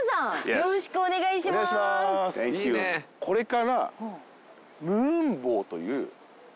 これから。